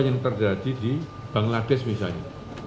yang terjadi di bangladesh misalnya